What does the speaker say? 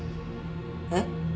えっ？